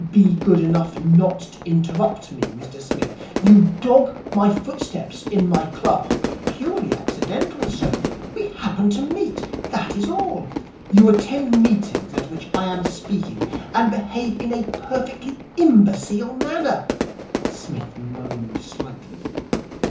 'Be good enough not to interrupt me, Mr Smith. You dog my footsteps in my club ' 'Purely accidental, sir. We happen to meet that is all.' 'You attend meetings at which I am speaking, and behave in a perfectly imbecile manner.' Psmith moaned slightly.